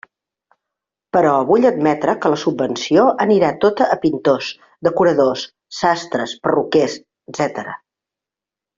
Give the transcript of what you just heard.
Però vull admetre que la subvenció anirà tota a pintors, decoradors, sastres, perruquers, etcètera.